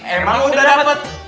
emang udah dapet